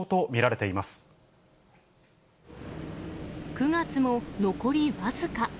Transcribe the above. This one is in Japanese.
９月も残り僅か。